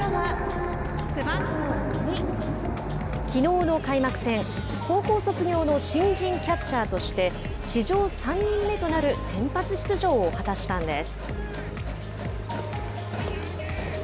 きのうの開幕戦高校卒業の新人キャッチャーとして史上３人目となる先発出場を果たしたんです。